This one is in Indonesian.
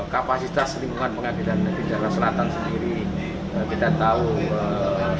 kapasitas lingkungan pengadilan negeri jakarta selatan sendiri kita tahu